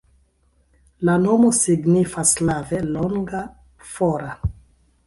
La nomo signifas slave longa, fora.